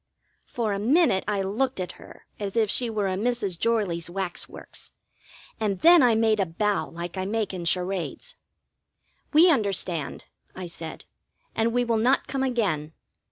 For a minute I looked at her as if she were a Mrs. Jorley's wax works, and then I made a bow like I make in charades. "We understand," I said. "And we will not come again.